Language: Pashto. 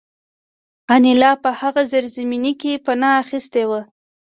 انیلا په هغه زیرزمینۍ کې پناه اخیستې وه